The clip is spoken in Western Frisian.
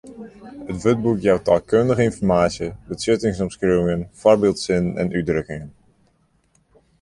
It wurdboek jout taalkundige ynformaasje, betsjuttingsomskriuwingen, foarbyldsinnen en útdrukkingen.